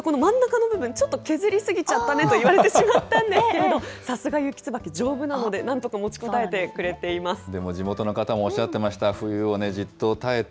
この真ん中の部分、ちょっと削り過ぎちゃったねと言われてしまったんですけれども、さすがユキツバキ、丈夫なので、なんとか持ちでも地元の方もおっしゃってました。